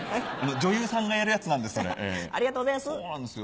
女優さんがやるやつなんです。